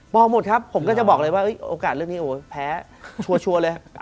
บอกหมดครับผมก็จะบอกเลยว่าโอกาสเรื่องนี้แพ้ชัวร์เลย